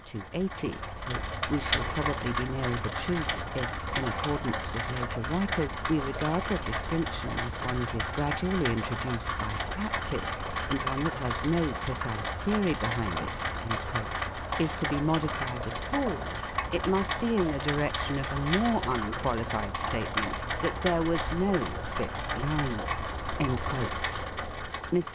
280, * We shall probably be nearer the truth if, in accordance with later writers, we regard the distinction as one that is gradually in troduced by practice, and one that has no precise theory behind it,' is to be modified at all, it must be in the direction of a more unqualified statement that there was no fixed line." Mr.